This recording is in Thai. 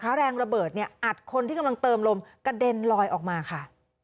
แรงระเบิดเนี่ยอัดคนที่กำลังเติมลมกระเด็นลอยออกมาค่ะ